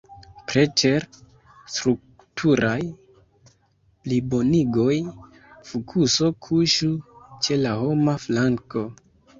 Preter strukturaj plibonigoj, fokuso kuŝu ĉe la homa flanko.